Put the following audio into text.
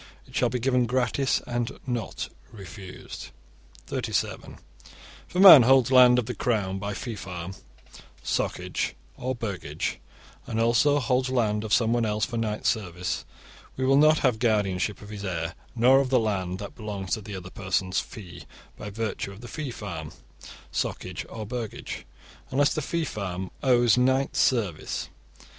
It shall be given gratis, and not refused. (37) If a man holds land of the Crown by 'fee farm', 'socage', or 'burgage', and also holds land of someone else for knight's service, we will not have guardianship of his heir, nor of the land that belongs to the other person's 'fee', by virtue of the 'fee farm', 'socage', or 'burgage', unless the 'fee farm' owes knight's service.